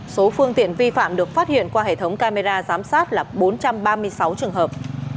số phương tiện vi phạm được phát hiện qua hệ thống camera giám sát là bốn trăm ba mươi sáu trường hợp